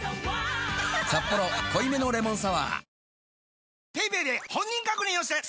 「サッポロ濃いめのレモンサワー」